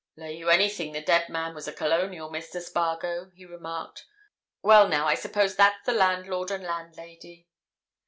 "Lay you anything the dead man was a Colonial, Mr. Spargo," he remarked. "Well, now, I suppose that's the landlord and landlady."